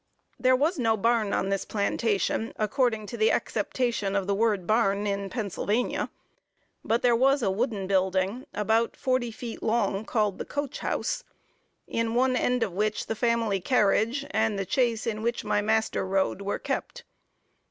There was no barn on this plantation, according to the acceptation of the word barn in Pennsylvania; but there was a wooden building, about forty feet long, called the coach house, in one end of which the family carriage and the chaise in which my master rode were kept.